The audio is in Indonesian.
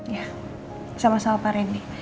ya sama sama paren